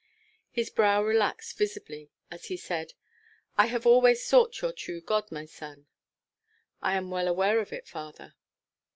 His brow relaxed visibly as he said, "I have always sought your true good, my son." "I am well aware of it, father."